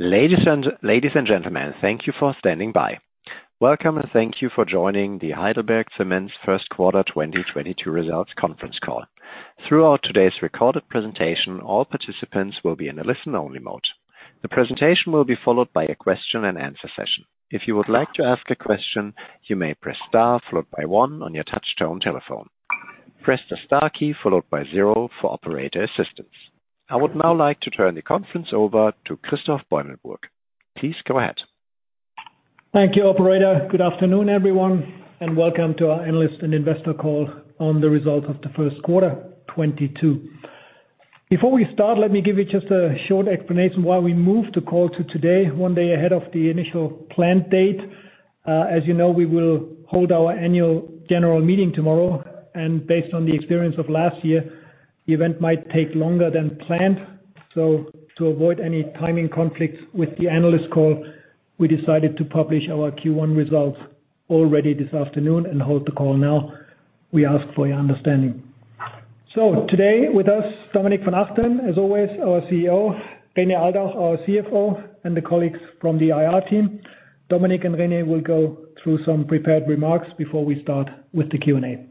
Ladies and gentlemen, thank you for standing by. Welcome, and thank you for joining the HeidelbergCement's first quarter 2022 results conference call. Throughout today's recorded presentation, all participants will be in a listen-only mode. The presentation will be followed by a question-and-answer session. If you would like to ask a question, you may press star followed by one on your touch-tone telephone. Press the star key followed by zero for operator assistance. I would now like to turn the conference over to Christoph Beumelburg. Please go ahead. Thank you, operator. Good afternoon, everyone, and welcome to our analyst and investor call on the results of the first quarter 2022. Before we start, let me give you just a short explanation why we moved the call to today, one day ahead of the initial planned date. As you know, we will hold our annual general meeting tomorrow, and based on the experience of last year, the event might take longer than planned. To avoid any timing conflicts with the analyst call, we decided to publish our Q1 results already this afternoon and hold the call now. We ask for your understanding. Today with us, Dominik von Achten, as always, our CEO, René Aldach, our CFO, and the colleagues from the IR team. Dominik and René will go through some prepared remarks before we start with the Q&A.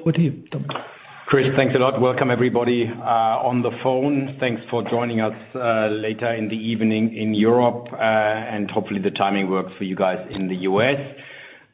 Over to you, Dominik. Chris, thanks a lot. Welcome everybody on the phone. Thanks for joining us later in the evening in Europe, and hopefully the timing works for you guys in the US.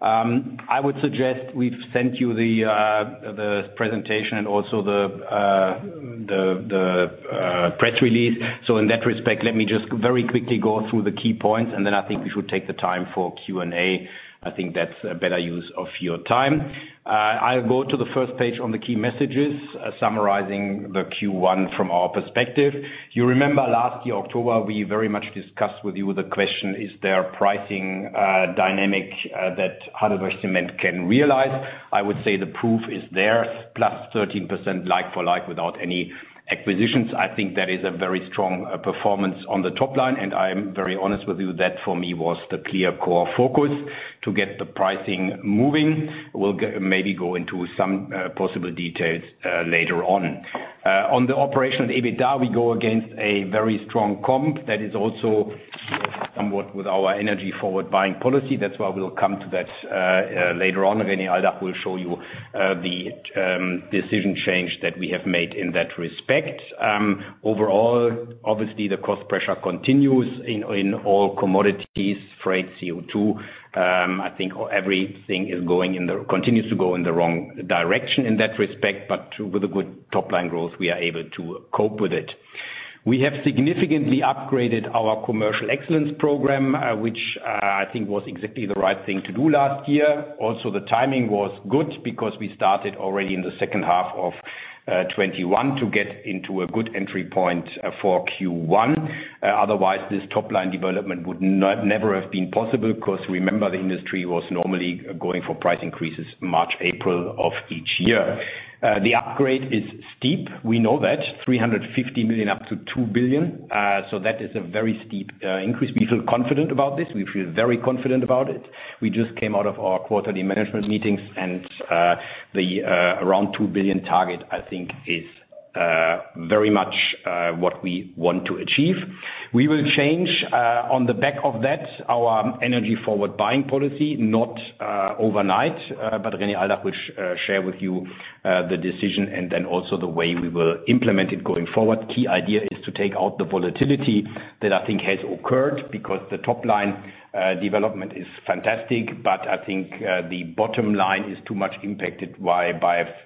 I would suggest we've sent you the presentation and also the press release. In that respect, let me just very quickly go through the key points, and then I think we should take the time for Q&A. I think that's a better use of your time. I'll go to the first page on the key messages, summarizing the Q1 from our perspective. You remember last year, October, we very much discussed with you the question, is there pricing dynamic that Heidelberg Materials can realize? I would say the proof is there, plus 13% like for like without any acquisitions. I think that is a very strong performance on the top line, and I am very honest with you, that for me was the clear core focus to get the pricing moving. We'll maybe go into some possible details later on. On the operational EBITDA, we go against a very strong comp that is also somewhat with our energy forward buying policy. That's why we'll come to that later on. René Aldach will show you the decision change that we have made in that respect. Overall, obviously, the cost pressure continues in all commodities, freight, CO2. I think everything is going continues to go in the wrong direction in that respect, but with a good top-line growth, we are able to cope with it. We have significantly upgraded our commercial excellence program, which I think was exactly the right thing to do last year. Also, the timing was good because we started already in the second half of 2021 to get into a good entry point for Q1. Otherwise, this top-line development would never have been possible because remember, the industry was normally going for price increases March, April of each year. The upgrade is steep. We know that, 350 million-2 billion. So that is a very steep increase. We feel confident about this. We feel very confident about it. We just came out of our quarterly management meetings and the around 2 billion target, I think is very much what we want to achieve. We will change, on the back of that, our energy forward buying policy, not overnight, but René Aldach will share with you the decision and then also the way we will implement it going forward. Key idea is to take out the volatility that I think has occurred because the top line development is fantastic, but I think the bottom line is too much impacted by ups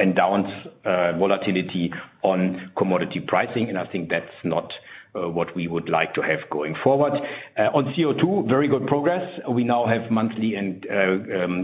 and downs volatility on commodity pricing, and I think that's not what we would like to have going forward. On CO2, very good progress. We now have monthly and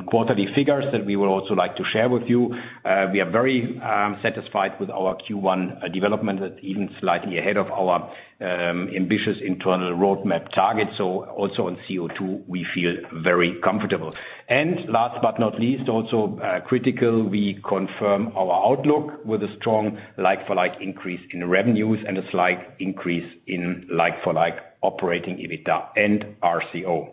quarterly figures that we would also like to share with you. We are very satisfied with our Q1 development, even slightly ahead of our ambitious internal roadmap target. Also on CO2, we feel very comfortable. Last but not least, also critical, we confirm our outlook with a strong like-for-like increase in revenues and a slight increase in like-for-like operating EBITDA and RCO.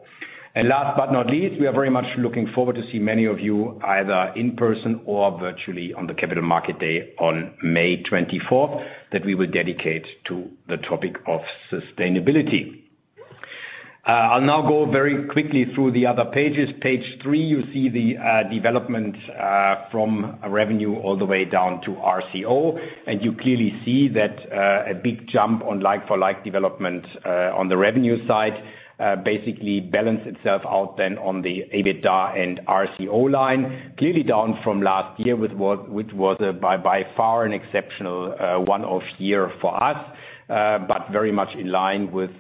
Last but not least, we are very much looking forward to see many of you either in person or virtually on the Capital Markets Day on May twenty-fourth, that we will dedicate to the topic of sustainability. I'll now go very quickly through the other pages. Page 3, you see the development from revenue all the way down to RCO. You clearly see that a big jump on like-for-like development on the revenue side basically balance itself out then on the EBITDA and RCO line. Clearly down from last year, which was by far an exceptional one-off year for us, but very much in line with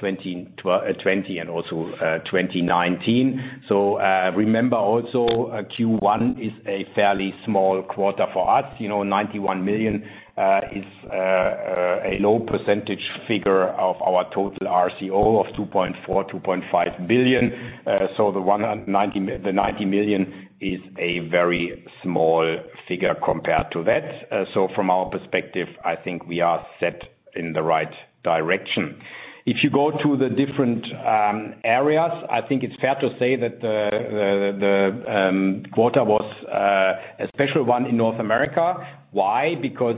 2020 and also 2019. Remember also, Q1 is a fairly small quarter for us. You know, 91 million is a low percentage figure of our total RCO of 2.4 billion-2.5 billion. So the 91 million is a very small figure compared to that. So from our perspective, I think we are set in the right direction. If you go to the different areas, I think it's fair to say that the quarter was a special one in North America. Why? Because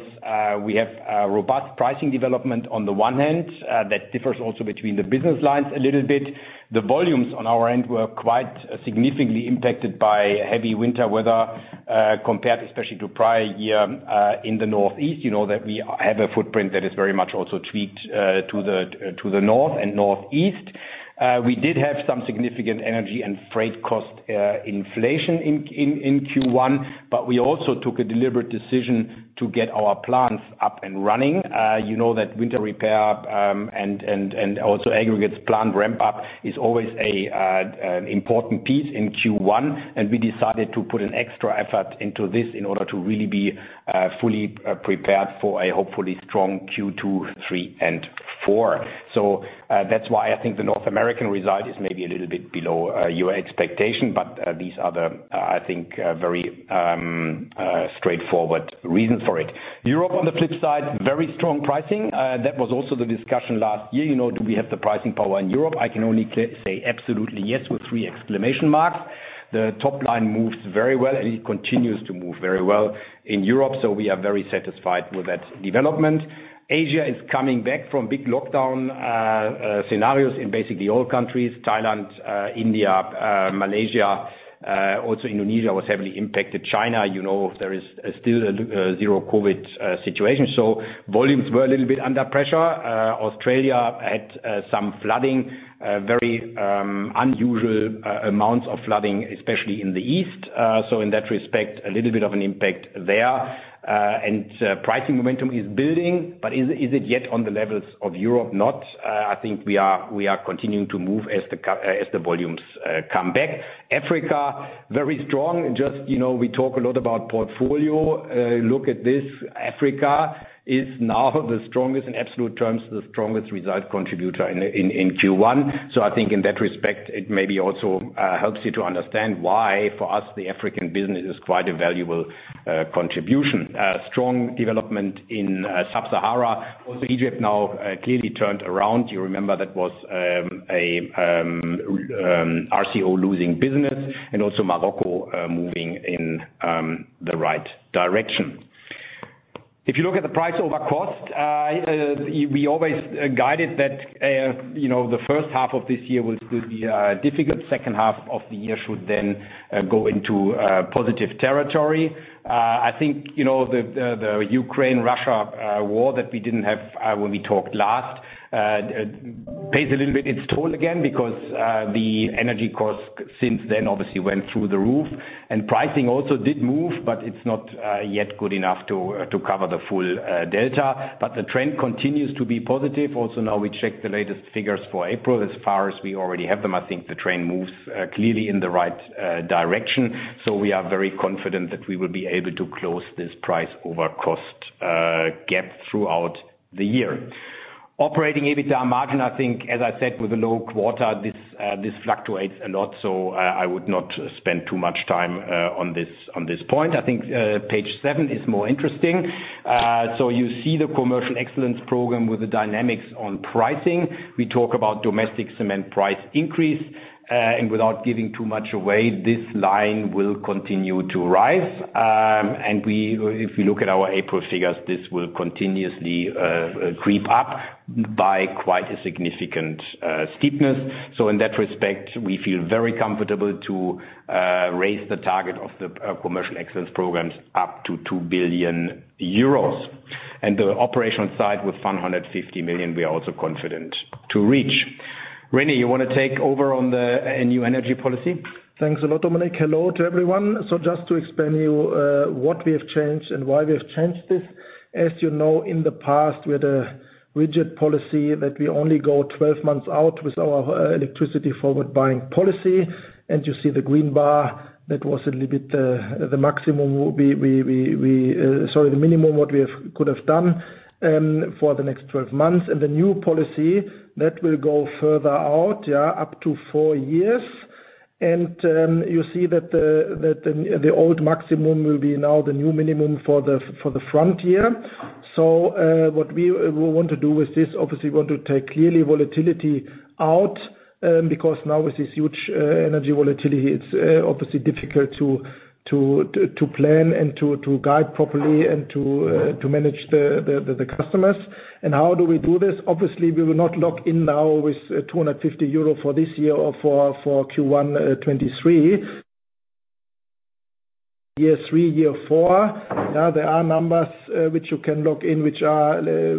we have a robust pricing development on the one hand, that differs also between the business lines a little bit. The volumes on our end were quite significantly impacted by heavy winter weather, compared especially to prior year, in the Northeast. You know that we have a footprint that is very much also tweaked to the North and Northeast. We did have some significant energy and freight cost inflation in Q1, but we also took a deliberate decision to get our plants up and running. You know that winter repair and also aggregates plant ramp up is always an important piece in Q1, and we decided to put an extra effort into this in order to really be fully prepared for a hopefully strong Q2, three and four. That's why I think the North American result is maybe a little bit below your expectation. These are the, I think, very straightforward reasons for it. Europe, on the flip side, very strong pricing. That was also the discussion last year. You know, do we have the pricing power in Europe? I can only say absolutely yes, with three exclamation marks. The top line moves very well, and it continues to move very well in Europe. We are very satisfied with that development. Asia is coming back from big lockdown scenarios in basically all countries, Thailand, India, Malaysia, also Indonesia was heavily impacted. China, you know, there is still a zero-COVID situation, so volumes were a little bit under pressure. Australia had some flooding, very unusual amounts of flooding, especially in the east. In that respect, a little bit of an impact there. Pricing momentum is building, but is it yet on the levels of Europe? Not. I think we are continuing to move as the volumes come back. Africa, very strong. Just, you know, we talk a lot about portfolio. Look at this, Africa is now the strongest, in absolute terms, the strongest result contributor in Q1. I think in that respect, it maybe also helps you to understand why for us, the African business is quite a valuable contribution. Strong development in Sub-Saharan. Also Egypt now clearly turned around. You remember that was RCO losing business and also Morocco moving in the right direction. If you look at the price over cost, we always guided that, you know, the first half of this year will be difficult. Second half of the year should then go into positive territory. I think, you know, the Ukraine-Russia war that we didn't have when we talked last pays a little bit its toll again, because the energy costs since then obviously went through the roof. And pricing also did move, but it's not yet good enough to cover the full delta. But the trend continues to be positive. Also now we check the latest figures for April as far as we already have them. I think the trend moves clearly in the right direction. We are very confident that we will be able to close this price over cost gap throughout the year. Operating EBITDA margin, I think, as I said, with a low quarter, this fluctuates a lot, so I would not spend too much time on this point. I think page seven is more interesting. You see the commercial excellence program with the dynamics on pricing. We talk about domestic cement price increase and without giving too much away, this line will continue to rise. If you look at our April figures, this will continuously creep up by quite a significant steepness. In that respect, we feel very comfortable to raise the target of the commercial excellence programs up to 2 billion euros. The operational side with 150 million, we are also confident to reach. René, you wanna take over on the new energy policy? Thanks a lot, Dominik. Hello to everyone. Just to explain to you what we have changed and why we have changed this. As you know, in the past, we had a rigid policy that we only go 12 months out with our electricity forward buying policy. You see the green bar, that was a little bit the minimum what we could have done for the next 12 months. The new policy will go further out, up to 4 years. You see that the old maximum will be now the new minimum for the front year. What we want to do with this, obviously we want to take clearly volatility out, because now with this huge energy volatility, it's obviously difficult to plan and to guide properly and to manage the customers. How do we do this? Obviously, we will not lock in now with 250 euro for this year or for Q1 2023. Year three, year four. Now there are numbers which you can lock in, which are,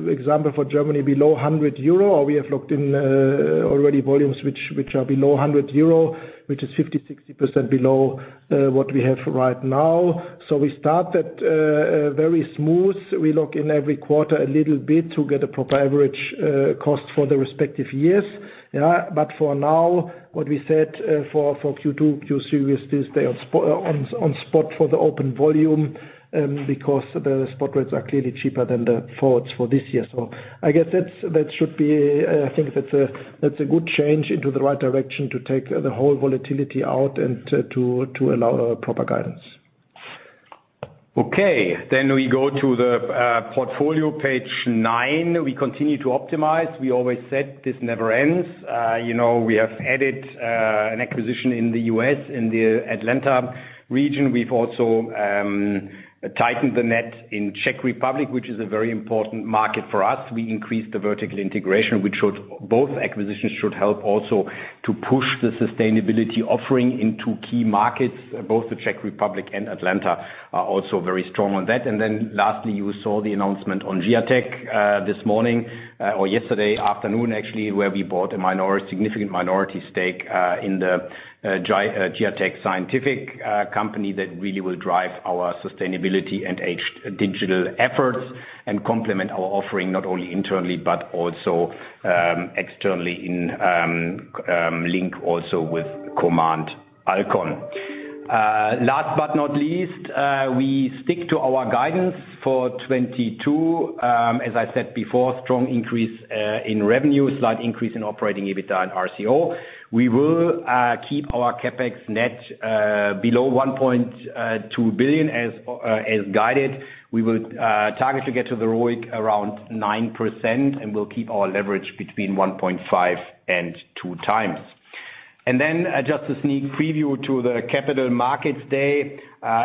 example for Germany, below 100 euro, or we have locked in already volumes which are below 100 euro, which is 50-60% below what we have right now. We start that very smooth. We lock in every quarter a little bit to get a proper average cost for the respective years. For now, what we said, for Q2, Q3, we stay on spot for the open volume, because the spot rates are clearly cheaper than the forwards for this year. I guess that's a good change into the right direction to take the whole volatility out and to allow a proper guidance. Okay, we go to the portfolio page nine. We continue to optimize. We always said this never ends. You know, we have added an acquisition in the U.S., in the Atlanta region. We've also tightened the net in Czech Republic, which is a very important market for us. We increased the vertical integration, both acquisitions should help also to push the sustainability offering into key markets. Both the Czech Republic and Atlanta are also very strong on that. Lastly, you saw the announcement on Giatec this morning or yesterday afternoon, actually, where we bought a significant minority stake in the Giatec Scientific company that really will drive our sustainability and digital efforts and complement our offering not only internally, but also externally in link also with Command Alkon. Last but not least, we stick to our guidance for 2022. As I said before, strong increase in revenue, slight increase in operating EBITDA and RCO. We will keep our CapEx net below 1.2 billion as guided. We will target to get to the ROIC around 9%, and we'll keep our leverage between 1.5 and 2 times. Just a sneak preview to the Capital Markets Day,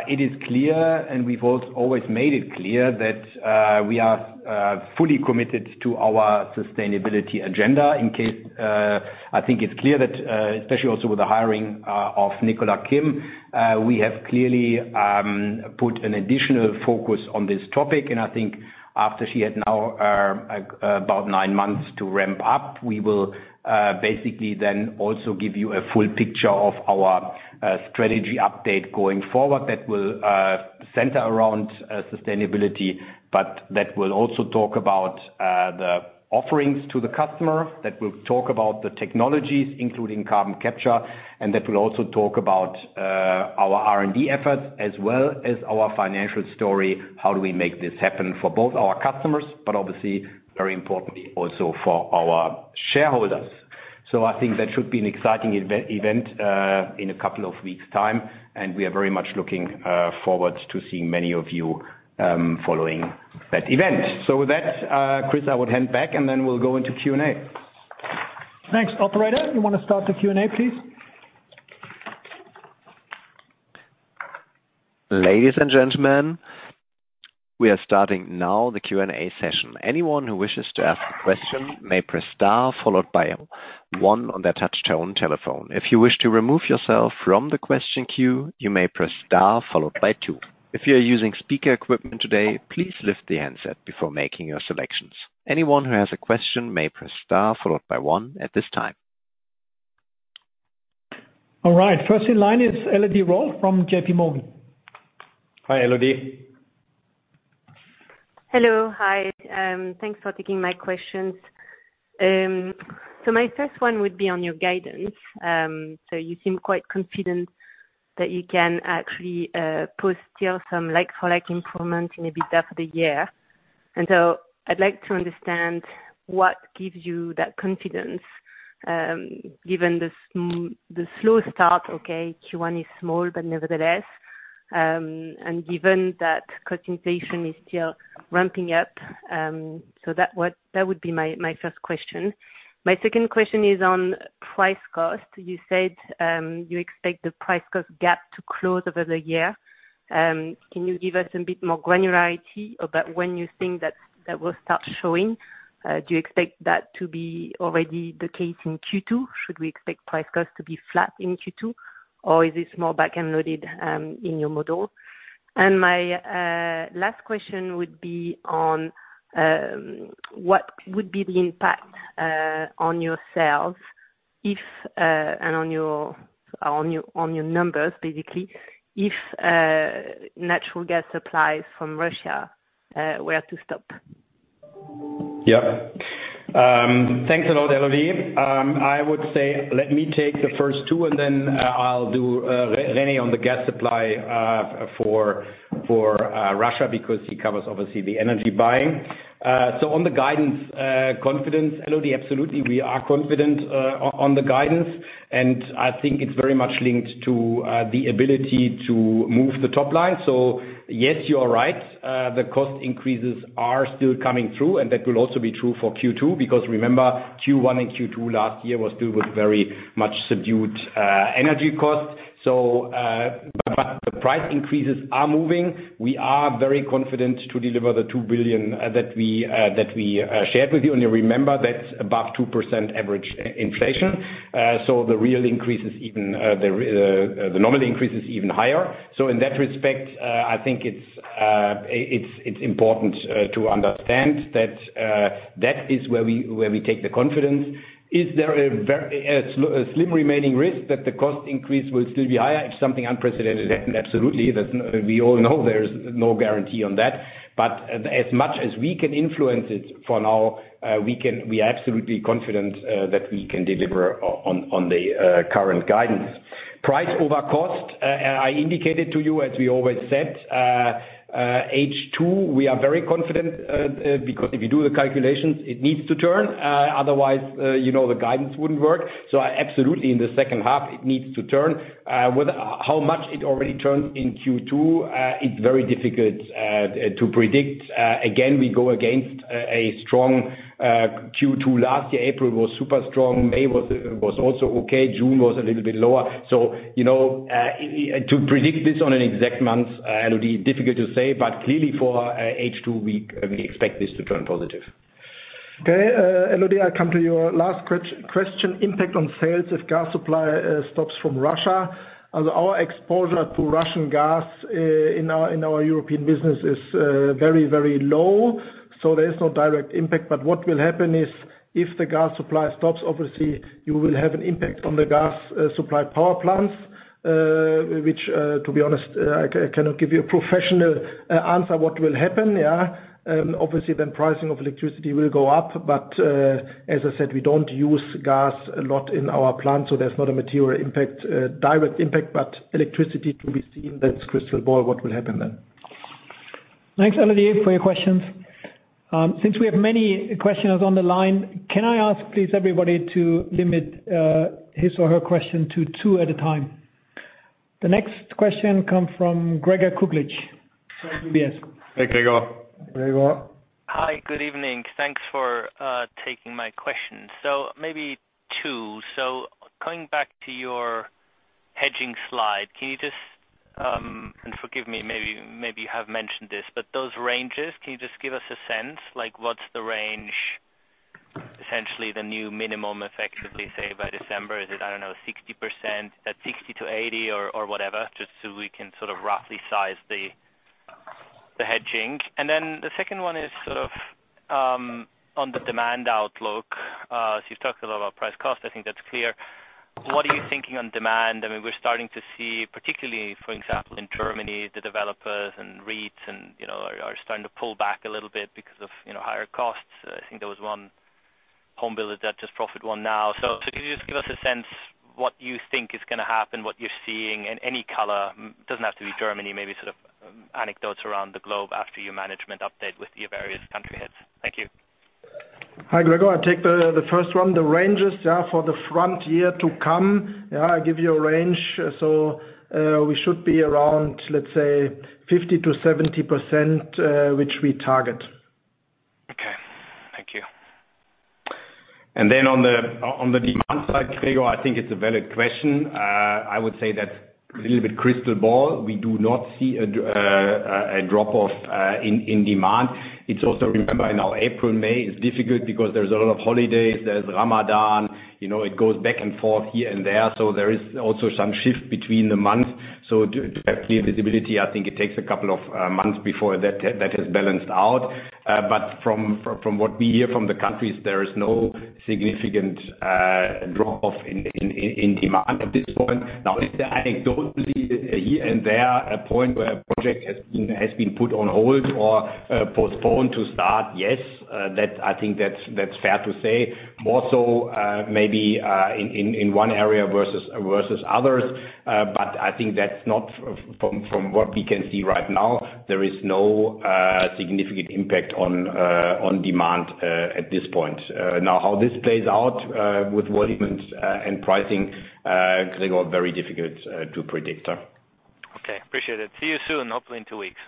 it is clear, and we've always made it clear that we are fully committed to our sustainability agenda in case. I think it's clear that especially also with the hiring of Nicola Kimm, we have clearly put an additional focus on this topic. I think after she had now about nine months to ramp up, we will basically then also give you a full picture of our strategy update going forward that will center around sustainability, but that will also talk about the offerings to the customer, that will talk about the technologies, including carbon capture, and that will also talk about our R&D efforts as well as our financial story, how do we make this happen for both our customers, but obviously, very importantly, also for our shareholders. I think that should be an exciting event in a couple of weeks time, and we are very much looking forward to seeing many of you following that event. With that, Chris, I would hand back and then we'll go into Q&A. Thanks. Operator, you wanna start the Q&A, please? Ladies and gentlemen, we are starting now the Q&A session. Anyone who wishes to ask a question may press star followed by one on their touchtone telephone. If you wish to remove yourself from the question queue, you may press star followed by two. If you're using speaker equipment today, please lift the handset before making your selections. Anyone who has a question may press star followed by one at this time. All right. First in line is Elodie Rall from JP Morgan. Hi, Elodie. Hello. Hi. Thanks for taking my questions. My first one would be on your guidance. You seem quite confident that you can actually post still some like-for-like improvement in EBITDA for the year. I'd like to understand what gives you that confidence, given the slow start, okay, Q1 is small, but nevertheless, and given that concentration is still ramping up. That would be my first question. My second question is on price-cost. You said, you expect the price-cost gap to close over the year. Can you give us a bit more granularity about when you think that will start showing? Do you expect that to be already the case in Q2? Should we expect price cost to be flat in Q2, or is this more back-end loaded in your model? My last question would be on what would be the impact on your sales and on your numbers, basically, if natural gas supplies from Russia were to stop? Thanks a lot, Elodie. I would say, let me take the first two, and then I'll do René on the gas supply for Russia because he covers obviously the energy buying. On the guidance confidence, Elodie, absolutely, we are confident on the guidance, and I think it's very much linked to the ability to move the top line. Yes, you are right. The cost increases are still coming through, and that will also be true for Q2, because remember, Q1 and Q2 last year was still with very much subdued energy costs. But the price increases are moving. We are very confident to deliver the 2 billion that we shared with you. You remember that's above 2% average inflation. The real increase is even. The nominal increase is even higher. In that respect, I think it's important to understand that that is where we take the confidence. Is there a slim remaining risk that the cost increase will still be higher if something unprecedented happens? Absolutely. We all know there's no guarantee on that. As much as we can influence it for now, we are absolutely confident that we can deliver on the current guidance. Price over cost, I indicated to you as we always said, H2, we are very confident because if you do the calculations, it needs to turn, otherwise, you know, the guidance wouldn't work. Absolutely, in the second half, it needs to turn. How much it already turned in Q2, it's very difficult to predict. Again, we go against a strong Q2 last year. April was super strong. May was also okay. June was a little bit lower. You know, to predict this on an exact month, Elodie, difficult to say, but clearly for H2, we expect this to turn positive. Okay. Elodie, I'll come to your last question, impact on sales if gas supply stops from Russia. As our exposure to Russian gas in our European business is very low, so there is no direct impact. But what will happen is if the gas supply stops, obviously you will have an impact on the gas supply power plants. To be honest, I cannot give you a professional answer what will happen, yeah. Obviously then pricing of electricity will go up, but as I said, we don't use gas a lot in our plants, so there's not a material impact, a direct impact, but electricity to be seen. That's crystal ball, what will happen then. Thanks, Elodie, for your questions. Since we have many questioners on the line, can I ask, please, everybody to limit his or her question to two at a time. The next question come from Gregor Kuglitsch. Thank you. Yes. Hey, Gregor. Gregor. Hi. Good evening. Thanks for taking my question. Maybe two. Going back to your hedging slide, can you just, and forgive me, maybe you have mentioned this. Those ranges, can you just give us a sense like what's the range, essentially the new minimum effectively, say, by December? Is it, I don't know, 60%, 60%-80% or whatever, just so we can sort of roughly size the hedging. Then the second one is sort of on the demand outlook. You've talked a lot about price cost. I think that's clear. What are you thinking on demand? I mean, we're starting to see, particularly for example, in Germany, the developers and REITs and, you know, are starting to pull back a little bit because of, you know, higher costs. I think there was one home builder that just profit warned now. Can you just give us a sense what you think is gonna happen, what you're seeing, and any color? Doesn't have to be Germany, maybe sort of anecdotes around the globe after your management update with your various country heads. Thank you. Hi, Gregor. I take the first one. The ranges for the front year to come, I'll give you a range. We should be around, let's say 50%-70%, which we target. Okay. Thank you. On the demand side, Gregor, I think it's a valid question. I would say that's a little bit crystal ball. We do not see a drop-off in demand. It's also, remember now, April, May is difficult because there's a lot of holidays. There's Ramadan. You know, it goes back and forth here and there. There is also some shift between the months. To have clear visibility, I think it takes a couple of months before that has balanced out. From what we hear from the countries, there is no significant drop-off in demand at this point. Now, is there anecdotally here and there a point where a project has been put on hold or postponed to start? Yes. That, I think, that's fair to say. More so, maybe in one area versus others. I think that's not from what we can see right now. There is no significant impact on demand at this point. Now how this plays out with volumes and pricing, Gregor, very difficult to predict. Okay. Appreciate it. See you soon, hopefully in two weeks.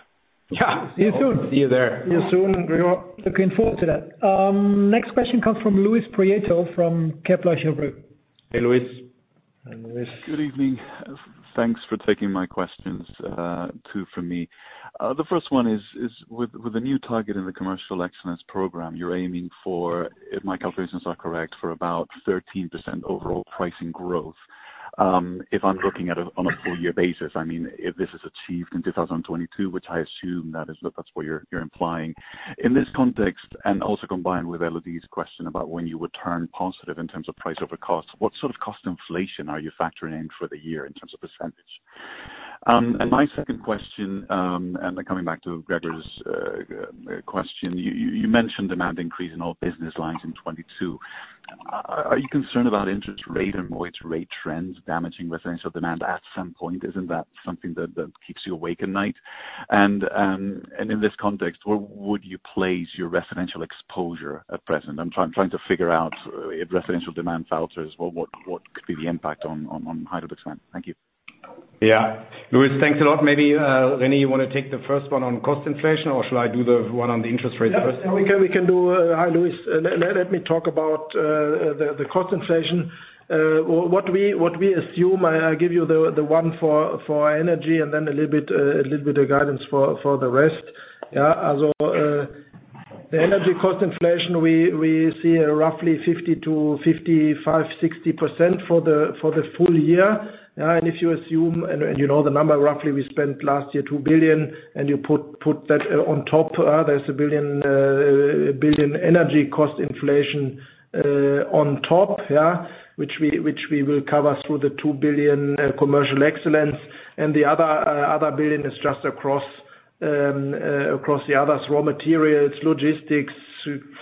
Yeah. See you soon. See you there. See you soon, Gregor. Looking forward to that. Next question comes from Luis Prieto from Kepler Cheuvreux. Hey, Luis. Hi, Luis. Good evening. Thanks for taking my questions, two from me. The first one is with the new target in the Commercial Excellence Programme you're aiming for, if my calculations are correct, for about 13% overall pricing growth. If I'm looking at it on a full year basis, I mean, if this is achieved in 2022, which I assume is what you're implying. In this context, and also combined with Elodie's question about when you would turn positive in terms of price over cost, what sort of cost inflation are you factoring in for the year in terms of percentage? And my second question, and then coming back to Gregor's question, you mentioned demand increase in all business lines in 2022. Are you concerned about interest rate and wage rate trends damaging residential demand at some point? Isn't that something that keeps you awake at night? In this context, where would you place your residential exposure at present? I'm trying to figure out if residential demand falters, what could be the impact on Heidelberg Materials. Thank you. Yeah. Luis, thanks a lot. Maybe, René, you wanna take the first one on cost inflation, or should I do the one on the interest rate first? We can do. Hi, Luis. Let me talk about the cost inflation. What we assume, I give you the one for energy and then a little bit of guidance for the rest. Yeah. As for the energy cost inflation, we see roughly 50%-60% for the full year. If you assume and you know the number roughly we spent last year €2 billion, and you put that on top, there's €1 billion energy cost inflation on top, yeah, which we will cover through the €2 billion Commercial Excellence. The other billion is just across the others, raw materials, logistics,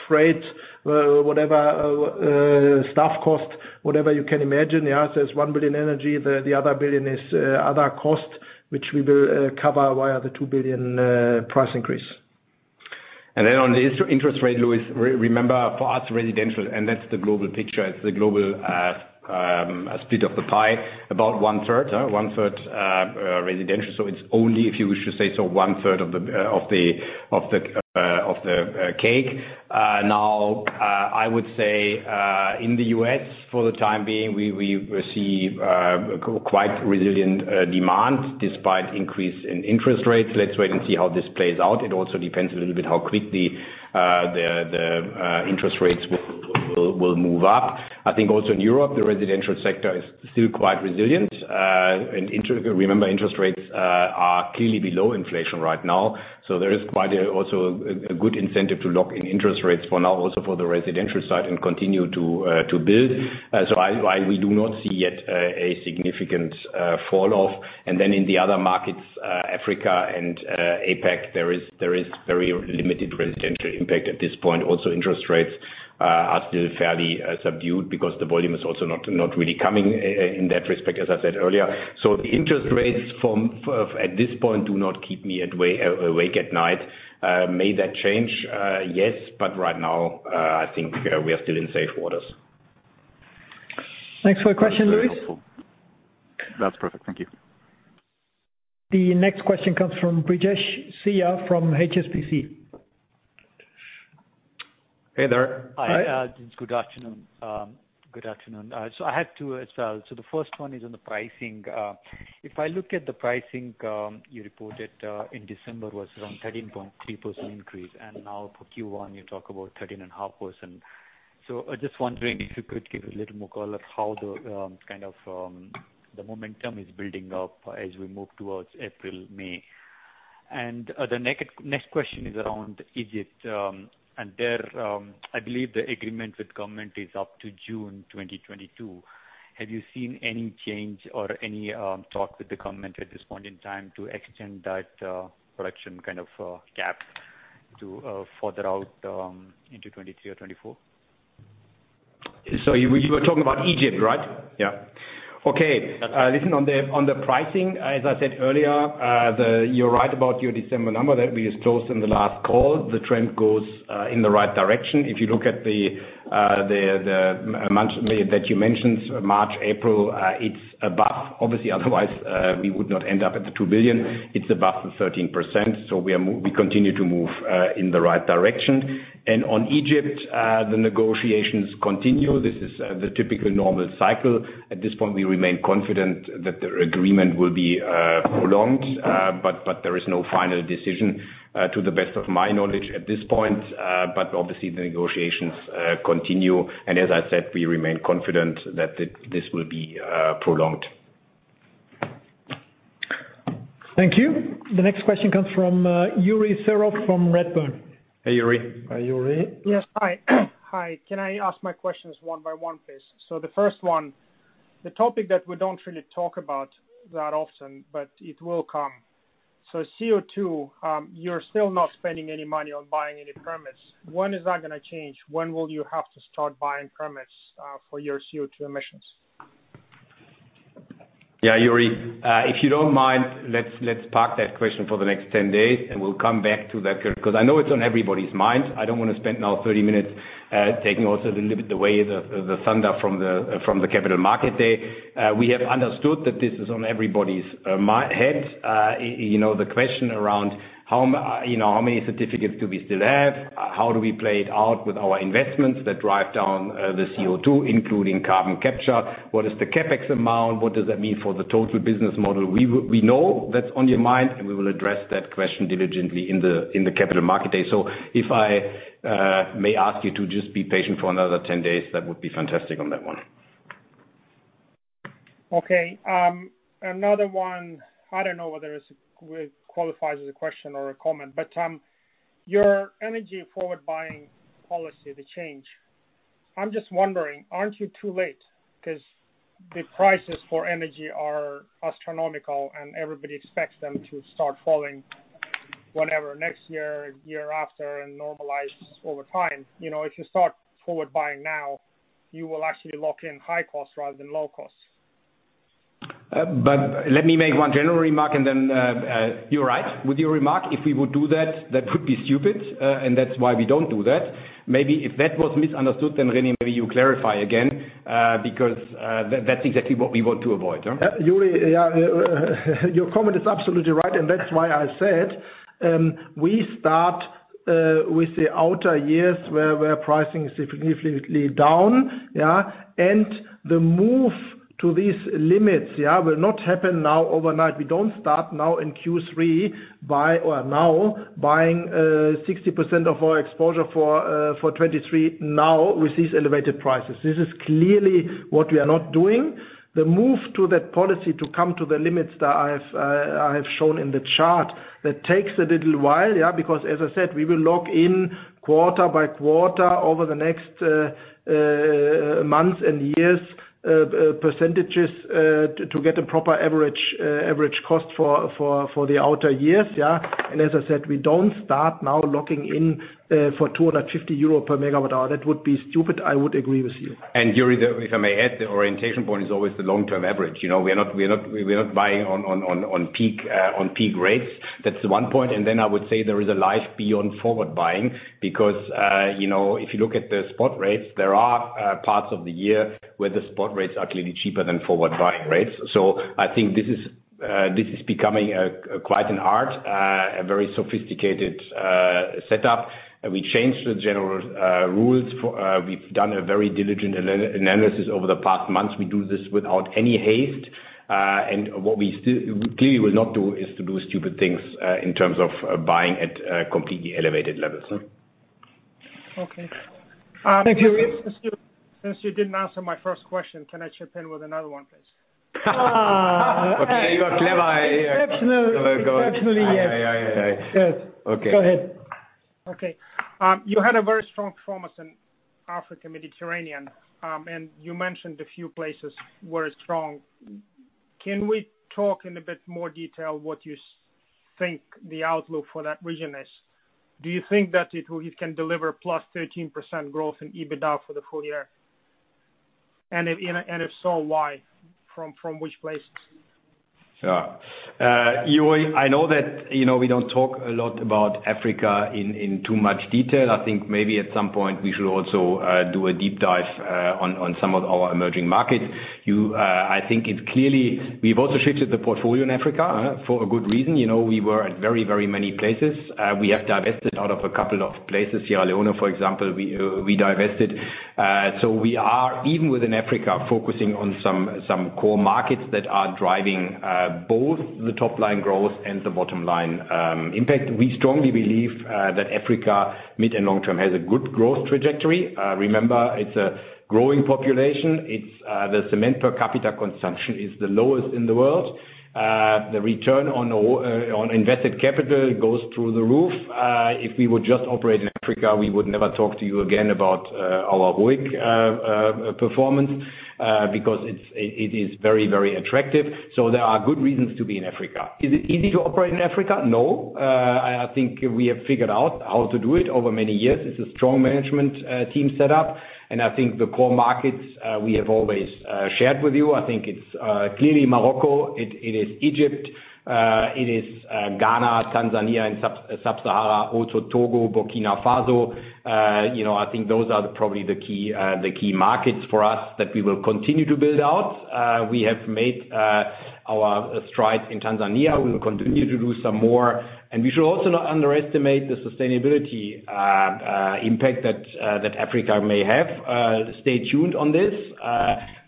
freight, whatever, staff cost, whatever you can imagine. Yeah, it's 1 billion energy. The other billion is other costs, which we will cover via the 2 billion price increase. On the interest rate, Luis, remember for us residential, and that's the global picture. It's the global split of the pie, about one third residential. It's only if you wish to say so, one third of the cake. Now, I would say in the U.S. for the time being, we receive quite resilient demand despite increase in interest rates. Let's wait and see how this plays out. It also depends a little bit how quickly the interest rates will move up. I think also in Europe, the residential sector is still quite resilient. Remember interest rates are clearly below inflation right now, so there is quite a also a good incentive to lock in interest rates for now also for the residential side and continue to build. I we do not see yet a significant fall off. In the other markets, Africa and APAC, there is very limited residential impact at this point. Interest rates are still fairly subdued because the volume is also not really coming in that respect, as I said earlier. The interest rates at this point do not keep me awake at night. May that change? Yes, but right now I think we are still in safe waters. Thanks for the question, Luis. That's perfect. Thank you. The next question comes from Brijesh Siya from HSBC. Hey there. Hi. Hi, it's good afternoon. Good afternoon. I had two as well. The first one is on the pricing. If I look at the pricing, you reported in December was around 13.3% increase, and now for Q1, you talk about 13.5%. Just wondering if you could give a little more color how the kind of the momentum is building up as we move towards April, May. The next question is around Egypt, and there I believe the agreement with government is up to June 2022. Have you seen any change or any talk with the government at this point in time to extend that production kind of gap to further out into 2023 or 2024? You were talking about Egypt, right? Yeah. Okay. Yes. Listen, on the pricing, as I said earlier, you're right about your December number that we just closed in the last call. The trend goes in the right direction. If you look at the month, May that you mentioned, March, April, it's above, obviously. Otherwise, we would not end up at the 2 billion. It's above the 13%, so we continue to move in the right direction. On Egypt, the negotiations continue. This is the typical normal cycle. At this point, we remain confident that their agreement will be prolonged, but there is no final decision to the best of my knowledge at this point. But obviously the negotiations continue. As I said, we remain confident that this will be prolonged. Thank you. The next question comes from, Yuri Serov from Redburn. Hey, Yuri. Hi, Yuri. Yes. Hi. Hi. Can I ask my questions one by one, please? The first one, the topic that we don't really talk about that often, but it will come. CO2, you're still not spending any money on buying any permits. When is that gonna change? When will you have to start buying permits for your CO2 emissions? Yeah, Yuri, if you don't mind, let's park that question for the next 10 days, and we'll come back to that 'cause I know it's on everybody's minds. I don't wanna spend now 30 minutes taking also a little bit the thunder from the Capital Markets Day. We have understood that this is on everybody's mind. You know, the question around how many certificates do we still have? How do we play it out with our investments that drive down the CO2, including carbon capture? What is the CapEx amount? What does that mean for the total business model? We know that's on your mind, and we will address that question diligently in the Capital Markets Day. If I may ask you to just be patient for another 10 days, that would be fantastic on that one. Okay. Another one. I don't know whether it's qualifies as a question or a comment, but your energy forward buying policy, the change, I'm just wondering, aren't you too late? 'Cause the prices for energy are astronomical, and everybody expects them to start falling whenever next year or year after and normalize over time. You know, if you start forward buying now, you will actually lock in high costs rather than low costs. Let me make one general remark and then. You're right with your remark. If we would do that could be stupid, and that's why we don't do that. Maybe if that was misunderstood, then, René, maybe you clarify again, because that's exactly what we want to avoid, huh? Yuri, yeah, your comment is absolutely right, and that's why I said we start with the outer years where pricing is significantly down, yeah. The move to these limits, yeah, will not happen now overnight. We don't start now in Q3 buying 60% of our exposure for 2023 now with these elevated prices. This is clearly what we are not doing. The move to that policy to come to the limits that I have shown in the chart, that takes a little while, yeah. Because as I said, we will lock in quarter by quarter over the next months and years percentages to get a proper average cost for the outer years, yeah. As I said, we don't start now locking in for 250 euro per MWh. That would be stupid, I would agree with you. Yuri, if I may add, the orientation point is always the long-term average. You know, we are not buying on peak rates. That's one point. Then I would say there is a life beyond forward buying because, you know, if you look at the spot rates, there are parts of the year where the spot rates are clearly cheaper than forward buying rates. I think this is becoming a quite an art, a very sophisticated setup. We changed the general rules for, we've done a very diligent analysis over the past months. We do this without any haste. What we still clearly will not do is to do stupid things in terms of buying at completely elevated levels. Okay. Thank you. Since you didn't answer my first question, can I chip in with another one, please? Okay. You are clever. Exceptional, yes. Yeah, yeah. Yes. Okay. Go ahead. Okay. You had a very strong performance in Africa, Mediterranean, and you mentioned a few places were strong. Can we talk in a bit more detail what you think the outlook for that region is? Do you think that you can deliver +13% growth in EBITDA for the full year? And if so, why? From which places? Sure. Yuri Serov, I know that, you know, we don't talk a lot about Africa in too much detail. I think maybe at some point we should also do a deep dive on some of our emerging markets. I think it's clear we've also shifted the portfolio in Africa for a good reason. You know, we were at very, very many places. We have divested out of a couple of places. Sierra Leone, for example, we divested. So we are, even within Africa, focusing on some core markets that are driving both the top line growth and the bottom line impact. We strongly believe that Africa, mid and long term, has a good growth trajectory. Remember, it's a growing population. It's the cement per capita consumption is the lowest in the world. The return on invested capital goes through the roof. If we would just operate in Africa, we would never talk to you again about our ROIC performance, because it is very, very attractive. There are good reasons to be in Africa. Is it easy to operate in Africa? No. I think we have figured out how to do it over many years. It's a strong management team set up, and I think the core markets we have always shared with you. I think it's clearly Morocco. It is Egypt. It is Ghana, Tanzania and Sub-Saharan, also Togo, Burkina Faso. You know, I think those are probably the key markets for us that we will continue to build out. We have made our strides in Tanzania. We'll continue to do some more. We should also not underestimate the sustainability impact that Africa may have. Stay tuned on this.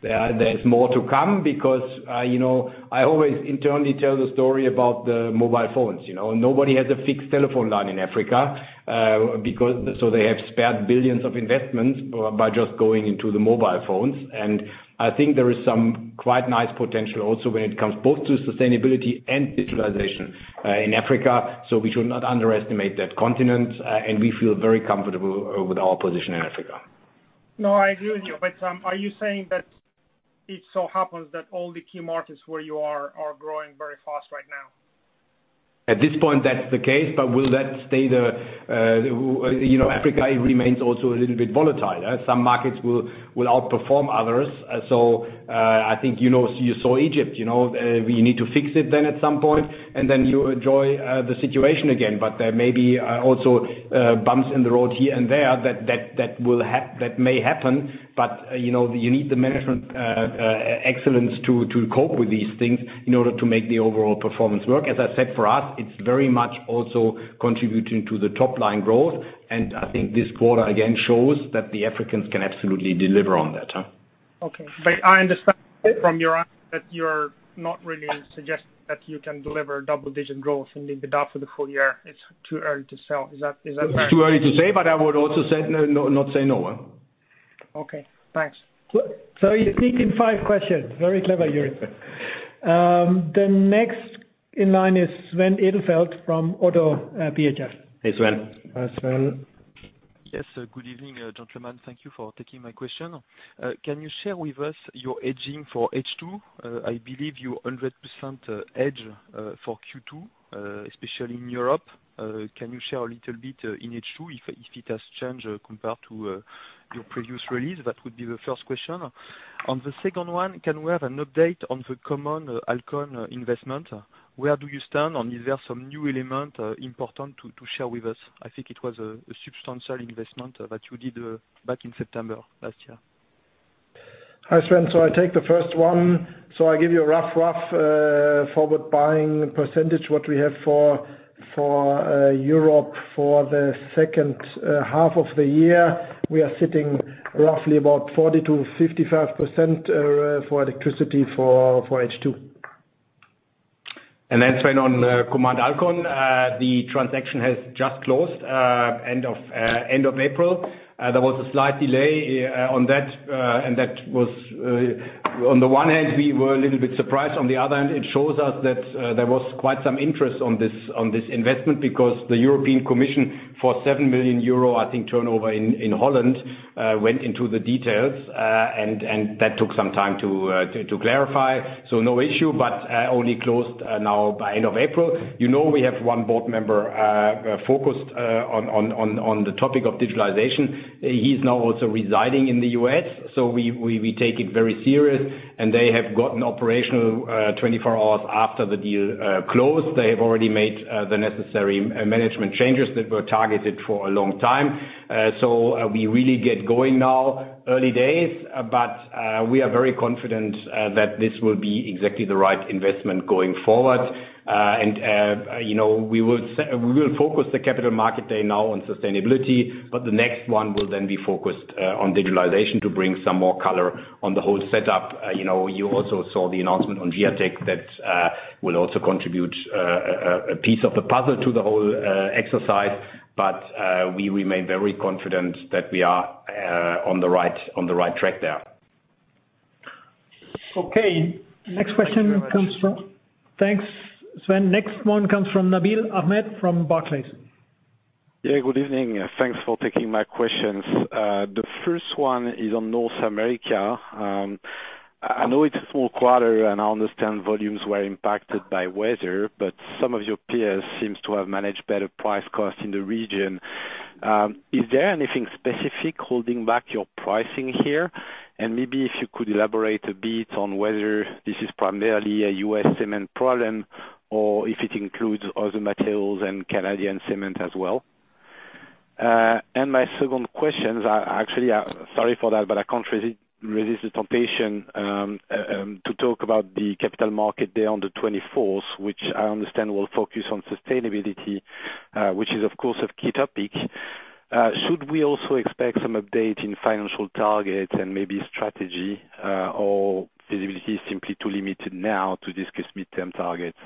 There's more to come because, you know, I always internally tell the story about the mobile phones. You know, nobody has a fixed telephone line in Africa because they have spared billions of investments by just going into the mobile phones. I think there is some quite nice potential also when it comes both to sustainability and digitalization in Africa. We should not underestimate that continent. We feel very comfortable with our position in Africa. No, I agree with you. Are you saying that it so happens that all the key markets where you are growing very fast right now? At this point, that's the case. Will that stay? You know, Africa remains also a little bit volatile. Some markets will outperform others. I think, you know, you saw Egypt, you know. We need to fix it then at some point, and then you enjoy the situation again. There may be also bumps in the road here and there that may happen. You know, you need the management excellence to cope with these things in order to make the overall performance work. As I said, for us, it's very much also contributing to the top line growth. I think this quarter again shows that the Africans can absolutely deliver on that. Okay. I understand from your answer that you're not really suggesting that you can deliver double-digit growth in EBITDA for the full year. It's too early to sell. Is that right? It's too early to say, but I would also say no. Okay, thanks. You sneaked in five questions. Very clever, Yuri. The next in line is Sven Edelfelt from ODDO BHF. Hey, Sven. Hi, Sven. Yes. Good evening, gentlemen. Thank you for taking my question. Can you share with us your hedging for H2? I believe you 100% hedge for Q2, especially in Europe. Can you share a little bit in H2 if it has changed compared to your previous release? That would be the first question. On the second one, can we have an update on the Command Alkon investment? Where do you stand, and is there some new element important to share with us? I think it was a substantial investment that you did back in September last year. Hi, Sven. I take the first one. I give you a rough forward buying percentage. What we have for Europe for the second half of the year, we are sitting roughly about 40%-55% for electricity for H2. Sven on Command Alkon. The transaction has just closed end of April. There was a slight delay on that. That was on the one hand we were a little bit surprised. On the other hand, it shows us that there was quite some interest on this investment because the European Commission for 7 million euro I think turnover in Holland went into the details. That took some time to clarify. No issue, but only closed now by end of April. You know, we have one board member focused on the topic of digitalization. He's now also residing in the U.S., so we take it very serious and they have gotten operational 24 hours after the deal closed. They have already made the necessary management changes that were targeted for a long time. So we really get going now. Early days, but we are very confident that this will be exactly the right investment going forward. You know, we will focus the Capital Markets Day now on sustainability, but the next one will then be focused on digitalization to bring some more color on the whole setup. You know, you also saw the announcement on Giatec that will also contribute a piece of the puzzle to the whole exercise. We remain very confident that we are on the right track there. Okay. Thanks, Sven. Next one comes from Nabil Ahmed from Barclays. Yeah, good evening. Thanks for taking my questions. The first one is on North America. I know it's a small quarter, and I understand volumes were impacted by weather, but some of your peers seems to have managed better price cost in the region. Is there anything specific holding back your pricing here? And maybe if you could elaborate a bit on whether this is primarily a U.S. cement problem or if it includes other materials and Canadian cement as well. And my second question, actually, sorry for that, but I can't resist the temptation to talk about the Capital Markets Day on the 24th, which I understand will focus on sustainability, which is, of course, a key topic. Should we also expect some update in financial targets and maybe strategy, or visibility is simply too limited now to discuss midterm targets?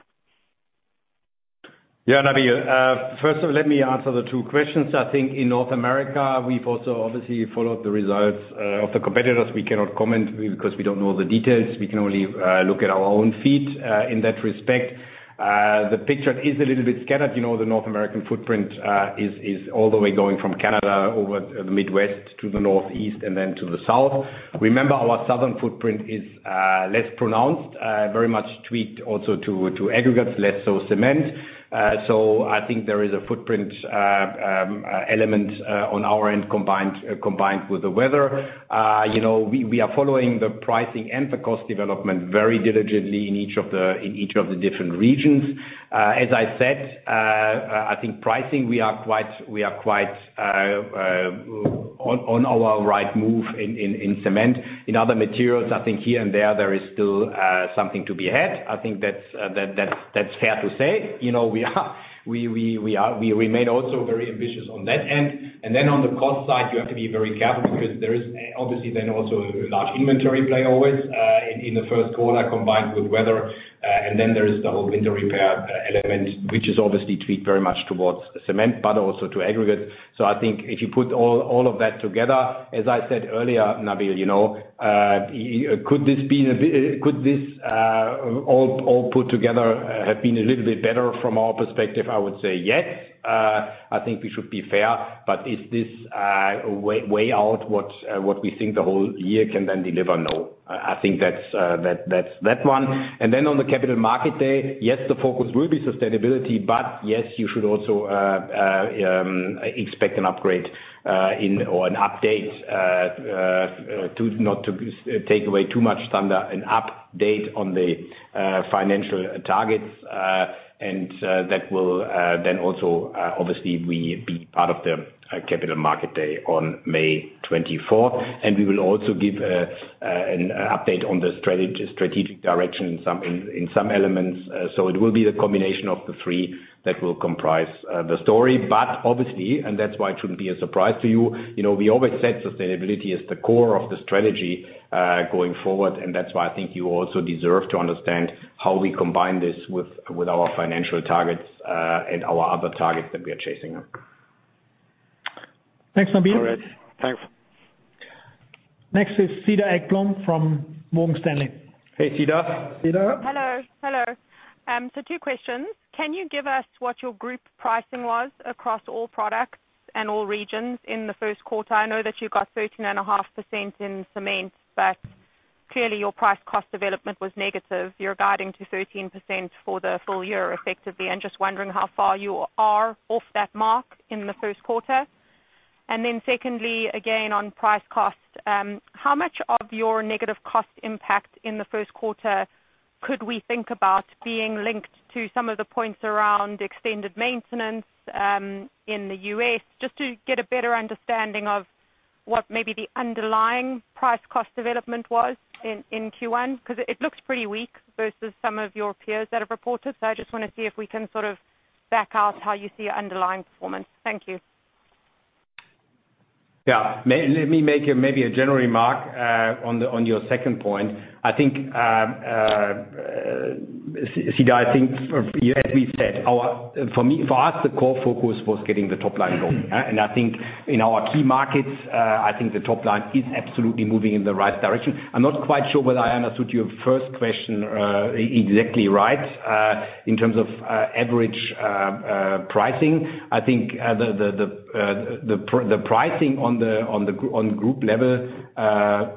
Yeah, Nabil. First of all, let me answer the two questions. I think in North America, we've also obviously followed the results of the competitors. We cannot comment because we don't know the details. We can only look at our own feet in that respect. The picture is a little bit scattered. You know, the North American footprint is all the way going from Canada over the Midwest to the North East and then to the South. Remember, our Southern footprint is less pronounced, very much tweaked also to aggregates, less so cement. So I think there is a footprint element on our end, combined with the weather. You know, we are following the pricing and the cost development very diligently in each of the different regions. As I said, I think pricing, we are quite on our right move in cement. In other materials, I think here and there is still something to be had. I think that's fair to say. You know, we remain also very ambitious on that end. On the cost side, you have to be very careful because there is obviously then also a large inventory play always in the first quarter combined with weather. There is the whole winter repair element, which is obviously tweaked very much towards cement, but also to aggregate. I think if you put all of that together, as I said earlier, Nabil, you know, could this all put together have been a little bit better from our perspective? I would say yes. I think we should be fair, but is this way out what we think the whole year can then deliver? No. I think that's that one. Then on the Capital Markets Day, yes, the focus will be sustainability, but yes, you should also expect an upgrade or an update to, not to take away too much thunder, an update on the financial targets. That will then also obviously be part of the Capital Markets Day on May 24th. We will also give an update on the strategic direction in some elements. It will be the combination of the three that will comprise the story. Obviously, that's why it shouldn't be a surprise to you know, we always said sustainability is the core of the strategy going forward. That's why I think you also deserve to understand how we combine this with our financial targets and our other targets that we are chasing. Thanks, Nabil. All right. Thanks. Next is Cedar Ekblom from Morgan Stanley. Hey, Cedar. Cedar. Hello. Two questions. Can you give us what your group pricing was across all products and all regions in the first quarter? I know that you got 13.5% in cement, but clearly your price cost development was negative. You're guiding to 13% for the full year, effectively. I'm just wondering how far you are off that mark in the first quarter. Secondly, again, on price costs, how much of your negative cost impact in the first quarter could we think about being linked to some of the points around extended maintenance in the U.S., just to get a better understanding of what maybe the underlying price cost development was in Q1? 'Cause it looks pretty weak versus some of your peers that have reported. I just wanna see if we can sort of back out how you see your underlying performance. Thank you. Yeah. Let me make maybe a general remark on your second point. I think, Cedar, I think as we said, for us, the core focus was getting the top line going, and I think in our key markets, I think the top line is absolutely moving in the right direction. I'm not quite sure whether I understood your first question exactly right. In terms of average pricing, I think the pricing on the group level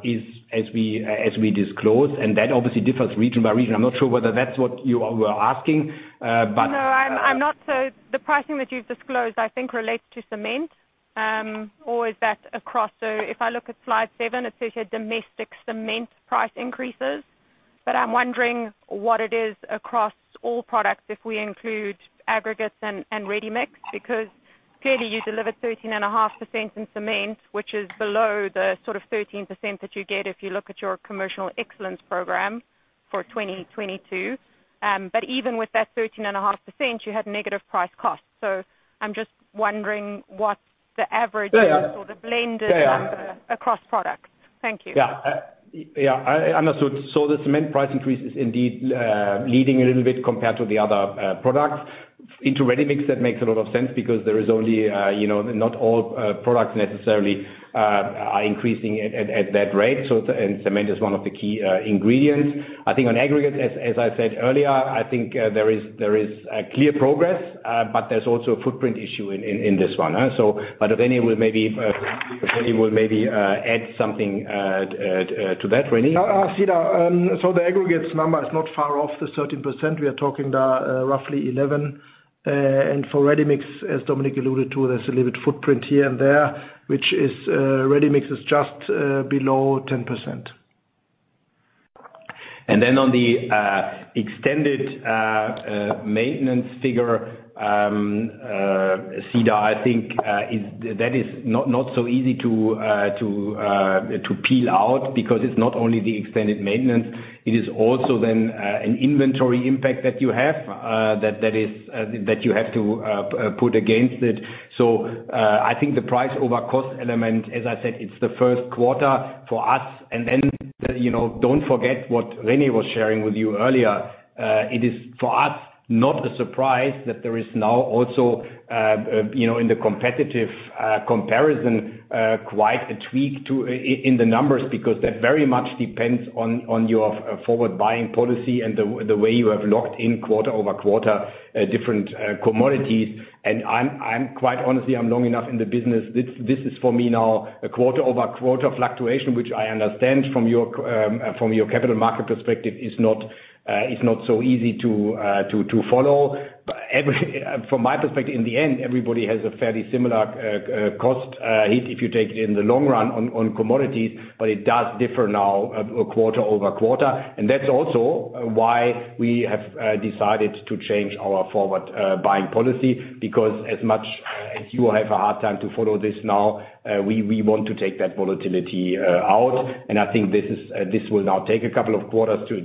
is as we disclose, and that obviously differs region by region. I'm not sure whether that's what you all were asking, but No, I'm not. The pricing that you've disclosed, I think, relates to cement, or is that across? If I look at slide 7, it says here domestic cement price increases, but I'm wondering what it is across all products, if we include aggregates and ready-mix, because clearly you delivered 13.5% in cement, which is below the sort of 13% that you get if you look at your Commercial Excellence Program for 2022. Even with that 13.5%, you had negative price costs. I'm just wondering what's the average- Yeah, yeah. The blended number across products. Thank you. Yeah. Yeah, I understood. The cement price increase is indeed leading a little bit compared to the other products into ready-mix that makes a lot of sense because there is only, you know, not all products necessarily are increasing at that rate. Cement is one of the key ingredients. I think on aggregate, as I said earlier, I think there is clear progress, but there's also a footprint issue in this one, so René will maybe add something to that. René? Cedar, the aggregates number is not far off the 13%. We are talking there, roughly 11%. For ready-mix, as Dominik alluded to, there's a little bit footprint here and there, which is, ready-mix is just below 10%. On the extended maintenance figure, Cedar, I think it is not so easy to peel out because it's not only the extended maintenance, it is also then an inventory impact that you have to put against it. I think the price over cost element, as I said, it's the first quarter for us. You know, don't forget what René was sharing with you earlier. It is for us not a surprise that there is now also you know in the competitive comparison quite a tweak in the numbers because that very much depends on your forward buying policy and the way you have locked in quarter-over-quarter different commodities. I'm quite honestly long enough in the business. This is for me now a quarter-over-quarter fluctuation, which I understand from your capital markets perspective is not so easy to follow. From my perspective, in the end, everybody has a fairly similar cost if you take it in the long run on commodities, but it does differ now quarter-over-quarter. That's also why we have decided to change our forward buying policy because as much as you have a hard time to follow this now, we want to take that volatility out. I think this will now take a couple of quarters to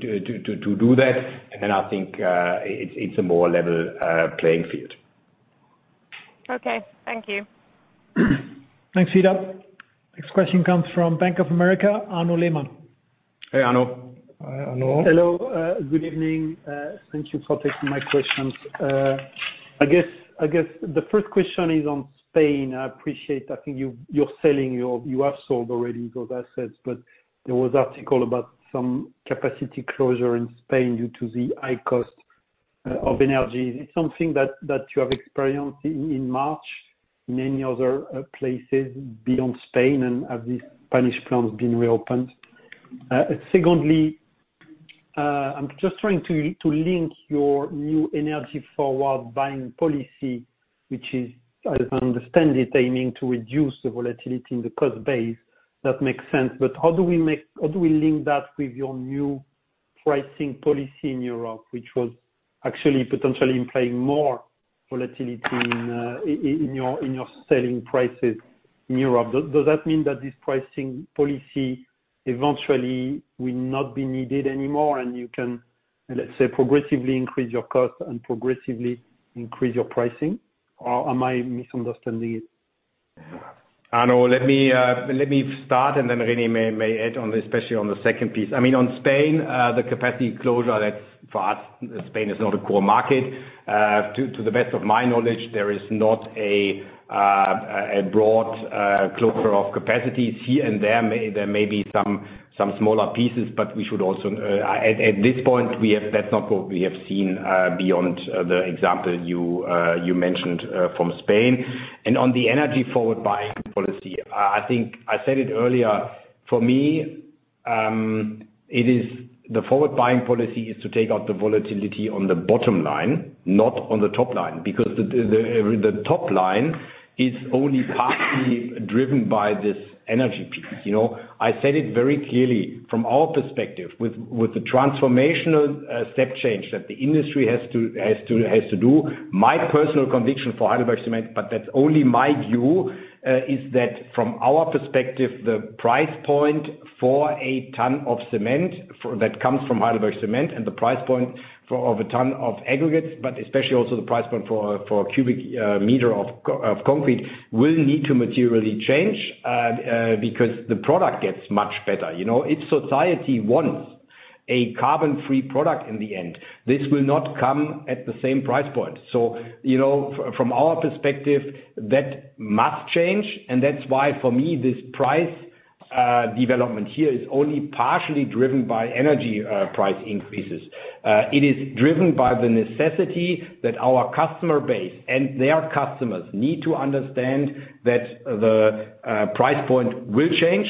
do that. I think it's a more level playing field. Okay. Thank you. Thanks, Cedar. Next question comes from Bank of America, Arnaud Lehmann. Hey, Arnaud. Hi, Arnaud. Hello, good evening. Thank you for taking my questions. I guess the first question is on Spain. I appreciate you have sold already those assets, but there was an article about some capacity closure in Spain due to the high cost of energy. It's something that you have experienced in March in many other places beyond Spain, and have these Spanish plants been reopened? Secondly, I'm just trying to link your new energy forward buying policy, which is, as I understand it, aiming to reduce the volatility in the cost base. That makes sense. How do we link that with your new pricing policy in Europe, which was actually potentially implying more volatility in your selling prices in Europe? Does that mean that this pricing policy eventually will not be needed anymore and you can, let's say, progressively increase your cost and progressively increase your pricing? Or am I misunderstanding it? Arnaud, let me start and then René may add on, especially on the second piece. I mean, on Spain, the capacity closure, that's for us, Spain is not a core market. To the best of my knowledge, there is not a broad closure of capacities here and there may be some smaller pieces. That's not what we have seen beyond the example you mentioned from Spain. On the energy forward buying policy, I think I said it earlier. For me, it is the forward buying policy to take out the volatility on the bottom line, not on the top line. Because the top line is only partly driven by this energy piece. You know, I said it very clearly from our perspective, with the transformational step change that the industry has to do, my personal conviction for Heidelberg Materials, but that's only my view, is that from our perspective, the price point for a ton of cement that comes from Heidelberg Materials and the price point for a ton of aggregates, but especially also the price point for cubic meter of concrete, will need to materially change, because the product gets much better. You know, if society wants a carbon-free product in the end, this will not come at the same price point. From our perspective, that must change, and that's why for me, this price development here is only partially driven by energy price increases. It is driven by the necessity that our customer base and their customers need to understand that the price point will change.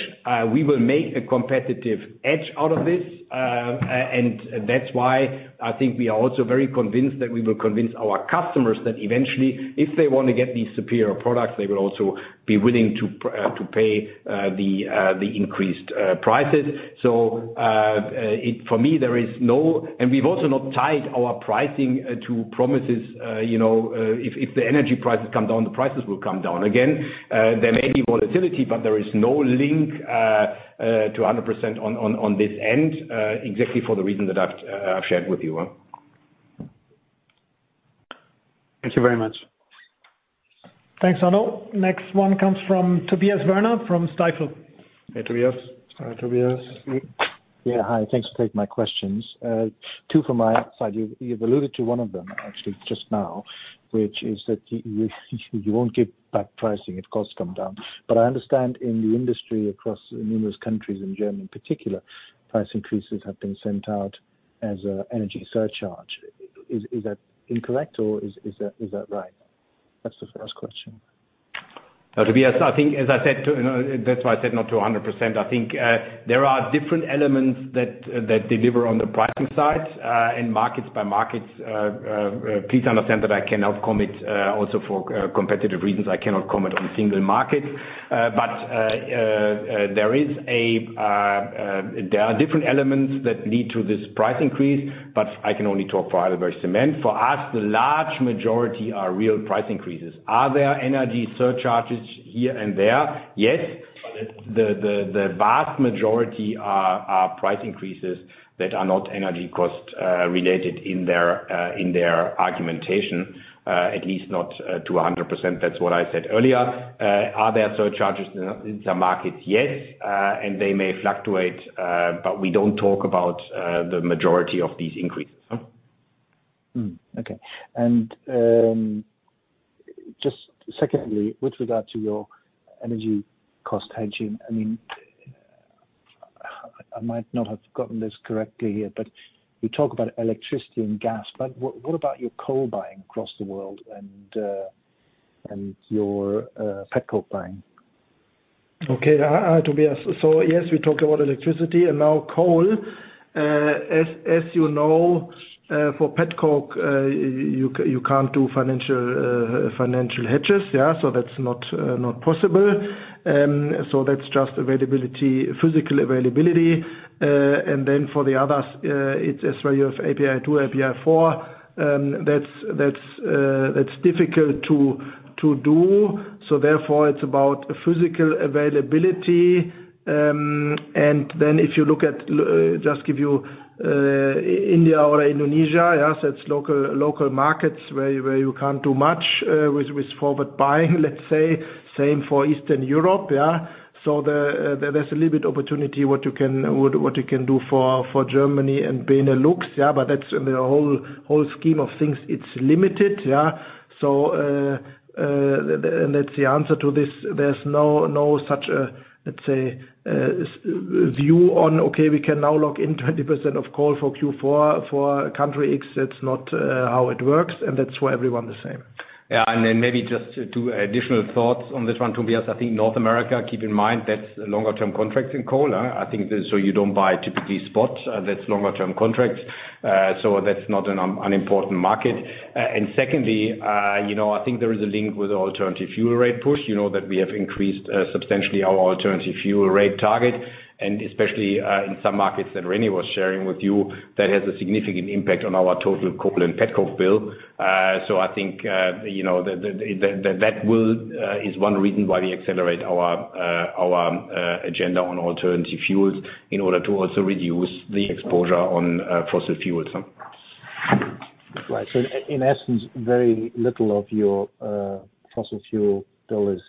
We will make a competitive edge out of this. That's why I think we are also very convinced that we will convince our customers that eventually, if they want to get these superior products, they will also be willing to pay the increased prices. We've also not tied our pricing to promises, you know, if the energy prices come down, the prices will come down again. There may be volatility, but there is no link to 100% on this end, exactly for the reason that I've shared with you. Thank you very much. Thanks, Arnaud. Next one comes from Tobias Woerner from Stifel. Hey, Tobias. Hi, Tobias. Yeah. Hi, thanks for taking my questions. Two from my side. You've alluded to one of them actually just now, which is that you won't give back pricing if costs come down. I understand in the industry across numerous countries, in Germany in particular, price increases have been sent out as an energy surcharge. Is that incorrect or is that right? That's the first question. Tobias, I think as I said to, you know, that's why I said not to 100%. I think there are different elements that deliver on the pricing side and markets by markets. Please understand that I cannot comment, also for competitive reasons, I cannot comment on single markets. There are different elements that lead to this price increase, but I can only talk for Heidelberg Materials. For us, the large majority are real price increases. Are there energy surcharges here and there? Yes. The vast majority are price increases that are not energy cost related in their argumentation, at least not to 100%. That's what I said earlier. Are there surcharges in some markets? Yes. They may fluctuate, but we don't talk about the majority of these increases. Just secondly, with regard to your energy cost hedging, I mean, I might not have gotten this correctly here, but you talk about electricity and gas. What about your coal buying across the world and your petcoke buying? Okay. Tobias, yes, we talk about electricity and now coal. As you know, for petcoke, you can't do financial hedges, yeah? That's not possible. That's just availability, physical availability. For the others, it's where you have API2, API4, that's difficult to do. Therefore it's about physical availability. If you look at India or Indonesia, yeah, that's local markets where you can't do much with forward buying, let's say. Same for Eastern Europe, yeah? There's a little bit opportunity what you can do for Germany and Benelux, yeah? But that's in the whole scheme of things, it's limited, yeah? That's the answer to this. There's no such, let's say, view on okay, we can now lock in 20% of coal for Q4 for country X. That's not how it works, and that's for everyone the same. Yeah. Maybe just two additional thoughts on this one, Tobias. I think North America, keep in mind that's longer term contracts in coal, huh? I think so you don't buy typically spot, that's longer term contracts. So that's not an important market. And secondly, you know, I think there is a link with alternative fuel rate push, you know, that we have increased substantially our alternative fuel rate target, and especially in some markets that René was sharing with you, that has a significant impact on our total coal and petcoke bill. So I think, you know, that is one reason why we accelerate our agenda on alternative fuels in order to also reduce the exposure on fossil fuels. Right. In essence, very little of your fossil fuel bill is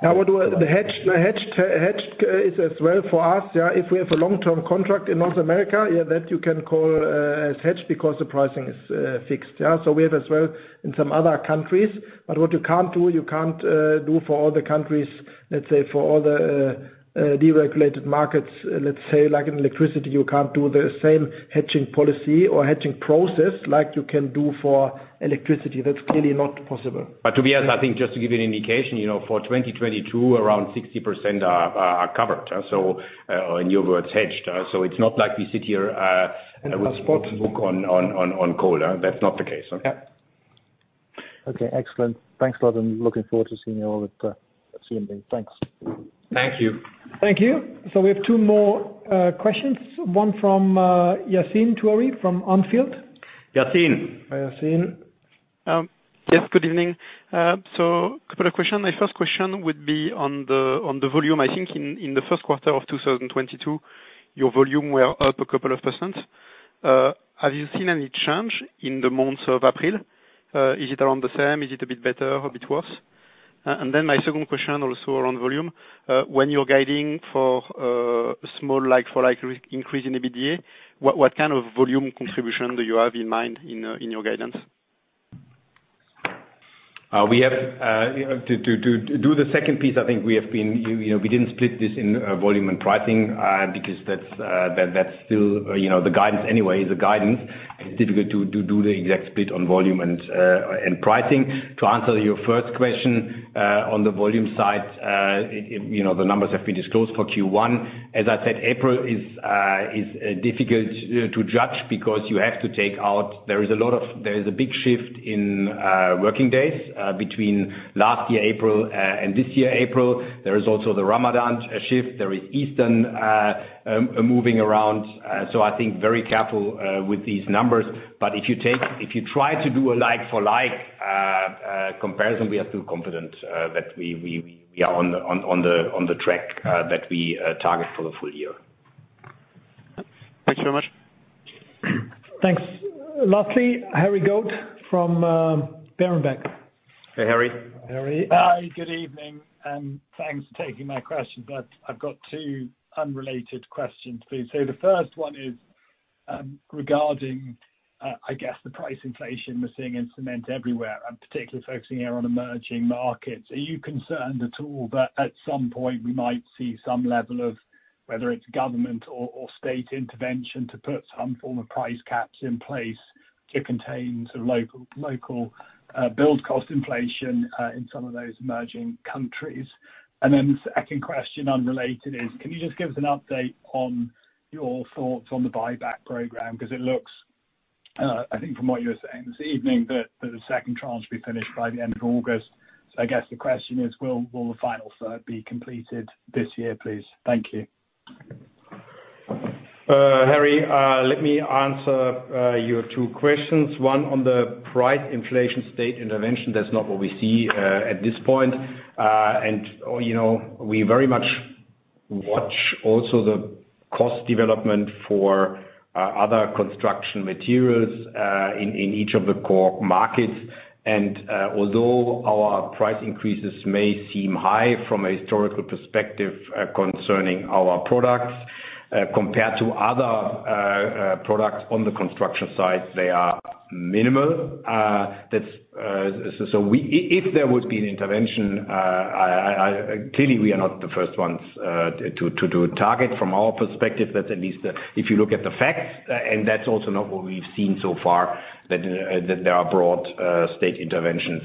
hedged. The hedge is as well for us, yeah, if we have a long-term contract in North America, yeah, that you can call as hedged because the pricing is fixed. Yeah. We have as well in some other countries. What you can't do, you can't do for all the countries, let's say for all the deregulated markets, let's say like in electricity, you can't do the same hedging policy or hedging process like you can do for electricity. That's clearly not possible. Tobias, I think just to give you an indication, you know, for 2022, around 60% are covered. In your words, hedged. It's not like we sit here, With spot. With book on coal. That's not the case. Okay? Okay. Excellent. Thanks a lot, and looking forward to seeing you all at CMD. Thanks. Thank you. Thank you. We have two more questions, one from Yassine Touahri from On Field Investment Research. Yassine. Hi, Yassine. Yes, good evening. So a couple of questions. My first question would be on the volume. I think in the first quarter of 2022, your volumes were up a couple of %. Have you seen any change in the month of April? Is it around the same? Is it a bit better, a bit worse? And then my second question also around volume, when you're guiding for a small like-for-like increase in EBITDA, what kind of volume contribution do you have in mind in your guidance? We have to do the second piece. I think we have been, you know, we didn't split this in volume and pricing because that's still, you know, the guidance anyway, is a guidance. It's difficult to do the exact split on volume and pricing. To answer your first question, on the volume side, you know, the numbers have been disclosed for Q1. As I said, April is difficult to judge because you have to take out, there is a lot of, there is a big shift in working days between last year April and this year April. There is also the Ramadan shift. There is Easter moving around. So I think very careful with these numbers. If you try to do a like for like comparison, we are still confident that we are on the track that we target for the full year. Thanks very much. Thanks. Lastly, Harry Goad from Berenberg. Hey, Harry. Harry. Hi, good evening, and thanks for taking my question. I've got two unrelated questions, please. The first one is, regarding, I guess the price inflation we're seeing in cement everywhere. I'm particularly focusing here on emerging markets. Are you concerned at all that at some point we might see some level of, whether it's government or state intervention to put some form of price caps in place to contain sort of local build cost inflation in some of those emerging countries? The second question unrelated is, can you just give us an update on your thoughts on the buyback program? Because it looks, I think from what you were saying this evening that the second tranche will be finished by the end of August. I guess the question is will the final third be completed this year, please? Thank you. Harry, let me answer your two questions. One on the price inflation state intervention. That's not what we see at this point. You know, we very much watch also the cost development for other construction materials in each of the core markets. Although our price increases may seem high from a historical perspective, concerning our products, compared to other products on the construction site, they are minimal. If there would be an intervention, clearly we are not the first ones to target from our perspective. That's at least if you look at the facts, and that's also not what we've seen so far, that there are broad state interventions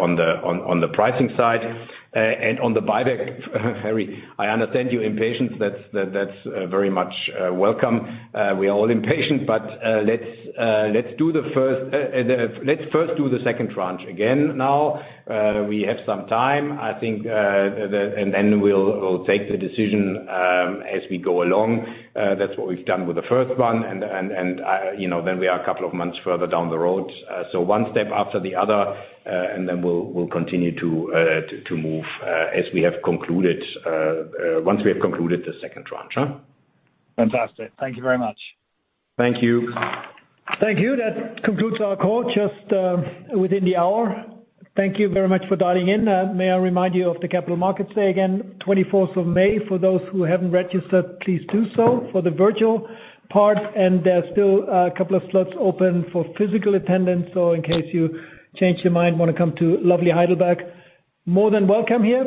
on the pricing side. On the buyback, Harry, I understand your impatience. That's very much welcome. We are all impatient, but let's first do the second tranche. Again now, we have some time, I think, and we'll take the decision as we go along. That's what we've done with the first one. You know, then we are a couple of months further down the road. One step after the other, and then we'll continue to move as we have concluded once we have concluded the second tranche, huh? Fantastic. Thank you very much. Thank you. Thank you. That concludes our call just within the hour. Thank you very much for dialing in. May I remind you of the Capital Markets Day again, twenty-fourth of May. For those who haven't registered, please do so for the virtual part, and there are still a couple of slots open for physical attendance. In case you change your mind, wanna come to lovely Heidelberg, more than welcome here.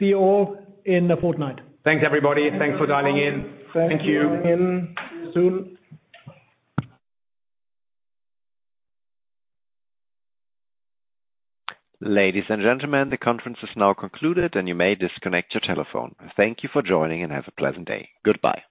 See you all in a fortnight. Thanks, everybody. Thanks for dialing in. Thank you. Thank you for dialing in. See you soon. Ladies and gentlemen, the conference is now concluded, and you may disconnect your telephone. Thank you for joining, and have a pleasant day. Goodbye.